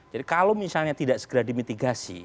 jadi kalau misalnya tidak segera dimitigasi